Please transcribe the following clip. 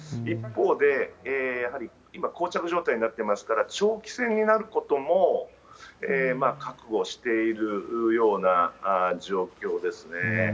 一方で、やはり今こう着状態になってますから、長期戦になることも覚悟しているような状況ですね。